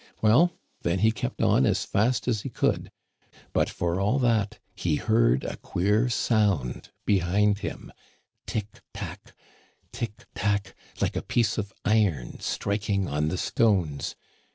Well, then he kept on as fast as he could ; but, for all that, he heard a queer sound behind him — tic tac, tic tac, like a piece of iron striking on the stones.